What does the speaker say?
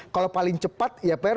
kalau paling cepat ya pr